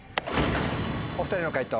お２人の解答